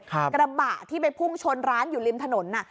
กระบะที่ไปพุ่งชนร้านอยู่ริมถนน